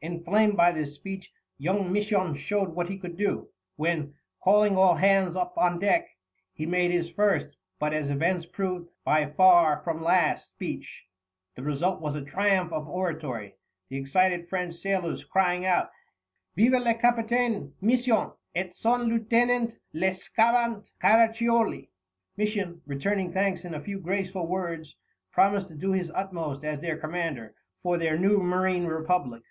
Inflamed by this speech, young Misson showed what he could do, when, calling all hands up on deck, he made his first, but, as events proved, by far from last, speech. The result was a triumph of oratory, the excited French sailors crying out: "Vive le Capitaine Misson et son Lieutenant le Scavant Caraccioli!" Misson, returning thanks in a few graceful words, promised to do his utmost as their commander for their new marine republic.